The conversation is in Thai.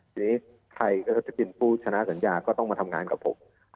ทีนี้ใครก็จะเป็นผู้ชนะสัญญาก็ต้องมาทำงานกับผม